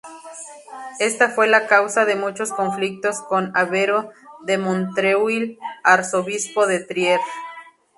Esta fue la causa de muchos conflictos con Albero de Montreuil, arzobispo de Trier.